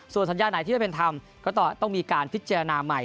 ส่วนสัญญาไหนที่ไม่เป็นธรรมก็ต้องมีการพิจารณาใหม่